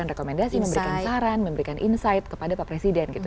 rekomendasi memberikan saran memberikan insight kepada pak presiden gitu